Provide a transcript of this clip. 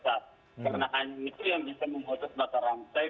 karena hanya itu yang bisa memutus mata rantai